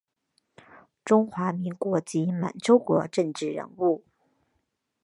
中华民国及满洲国政治人物。